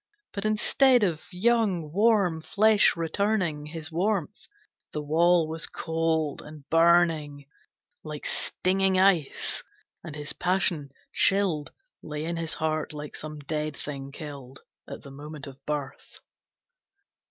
But instead of young, warm flesh returning His warmth, the wall was cold and burning Like stinging ice, and his passion, chilled, Lay in his heart like some dead thing killed At the moment of birth.